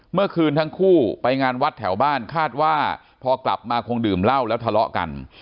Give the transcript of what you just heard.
เมื่อคืนทั้งคู่ไปงานวัดแถวบ้านคาดว่าพอกลับมาคงดื่มเหล้าแล้วทะเลาะกัน